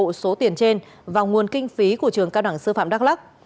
bộ số tiền trên và nguồn kinh phí của trường cao đẳng sư phạm đắk lắc